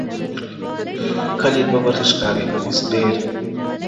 o کلي دوه برخې ښکاري اوس ډېر,